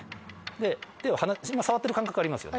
今触ってる感覚ありますよね。